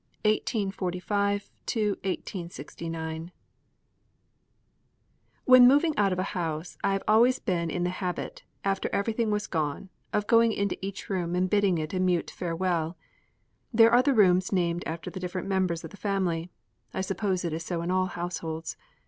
THE SECOND MILESTONE 1845 1869 When moving out of a house I have always been in the habit, after everything was gone, of going into each room and bidding it a mute farewell. There are the rooms named after the different members of the family. I suppose it is so in all households.